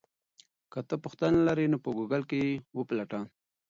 که ته پوښتنه لرې نو په ګوګل کې یې وپلټه.